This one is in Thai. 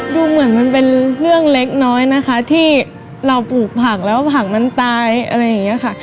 ดูเหมือนมันเป็นเรื่องเล็กน้อยนะคะที่เราปลูกผักแล้วผักมันตายอะไรอย่างนี้ค่ะ